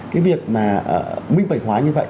cái việc mà minh mệnh hoài như vậy